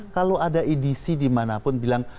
kalau ada edc dimanapun bilang